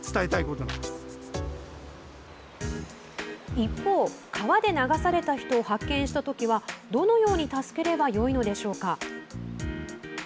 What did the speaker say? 一方、川で流された人を発見したときはどのように助ければよいのでしょうか。